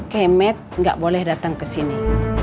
kemet gak boleh datang kesini